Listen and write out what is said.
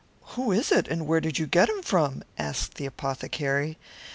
"Whose is it, and where did you get it?" asked the apothecary.